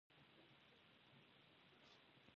قلم د فکر عکاسي کوي